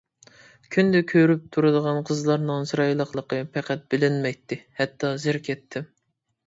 كۈندە كۆرۈپ تۇرىدىغان قىزلارنىڭ چىرايلىقلىقى پەقەت بىلىنمەيتتى، ھەتتا زېرىكەتتىم.